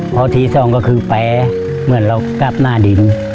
พอทีสองก็คือแป๊เหมือนเรากลับหน้าดิน